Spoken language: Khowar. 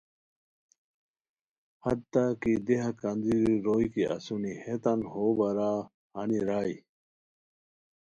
حتی کی دیہا کندوری روئے کی اسونی ہیتان ہو بارا ہانی رائے